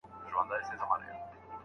د فولکلور په هر پېچ او خم کي به ورک وم.